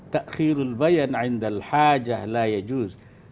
ta'khirul bayan a'indal hajah la yajuz